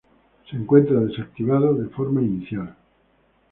Se encuentra desactivado de forma inicial.